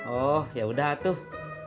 oh yaudah tuh